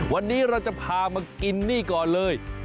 วันนี้เราจะพามากินนี่ก่อนเลย